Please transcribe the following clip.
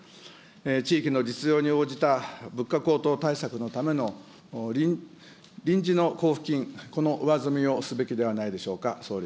地域の実用に応じた物価高騰対策のための臨時の交付金、この上積みをすべきではないでしょうか。